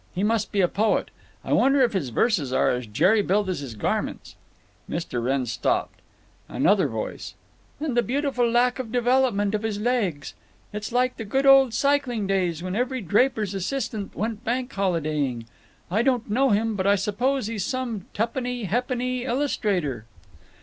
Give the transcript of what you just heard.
He must be a poet. I wonder if his verses are as jerry built as his garments!" Mr. Wrenn stopped. Another voice: "And the beautiful lack of development of his legs! It's like the good old cycling days, when every draper's assistant went bank holidaying…. I don't know him, but I suppose he's some tuppeny ha'p'ny illustrator."